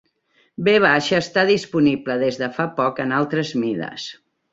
V està disponible des de fa poc en altres mides.